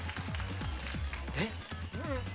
えっ？